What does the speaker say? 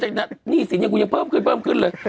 ซับใกนี่สินเนี่ยกูยังเพิ่มขึ้นเลย